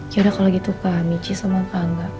ya udah kalau gitu mbak michi sama angga